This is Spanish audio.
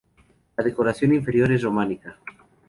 La decoración inferior es románica.